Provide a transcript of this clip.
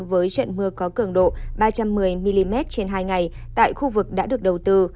với trận mưa có cường độ ba trăm một mươi mm trên hai ngày tại khu vực đã được đầu tư